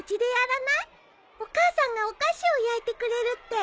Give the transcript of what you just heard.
お母さんがお菓子を焼いてくれるって。